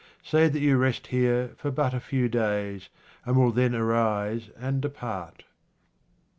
Say that you rest here for but a few days, and will then arise and depart.